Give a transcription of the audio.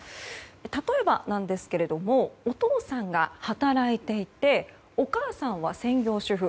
例えばなんですけれどもお父さんが働いていてお母さんは専業主婦。